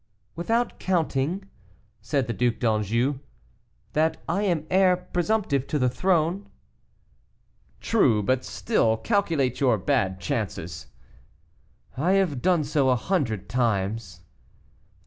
"Without counting," said the Duc d'Anjou, "that I am heir presumptive to the throne." "True, but still calculate your bad chances." "I have done so a hundred times."